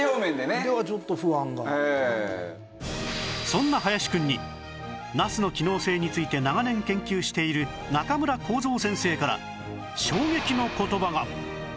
そんな林くんにナスの機能性について長年研究している中村浩蔵先生から衝撃の言葉が